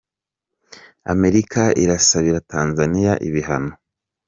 Amerika irasabira Tanzania ibihano